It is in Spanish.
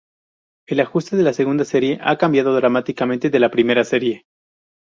El ajuste de la segunda serie ha cambiado dramáticamente de la primera serie.